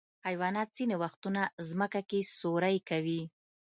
حیوانات ځینې وختونه ځمکه کې سوری کوي.